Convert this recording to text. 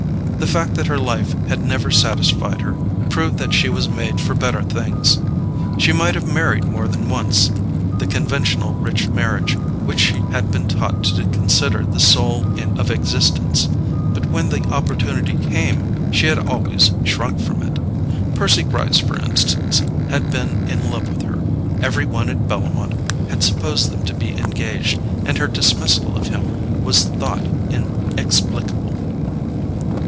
The fact that her life had never satisfied her proved that she was made for better things. She might have married more than once—the conventional rich marriage which she had been taught to consider the sole end of existence—but when the opportunity came she had always shrunk from it. Percy Gryce, for instance, had been in love with her—every one at Bellomont had supposed them to be engaged, and her dismissal of him was thought inexplicable.